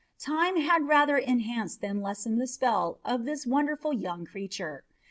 Time had rather enhanced than lessened the spell of this wonderful young creature.